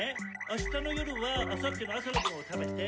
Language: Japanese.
あしたの夜はあさっての朝の分を食べて。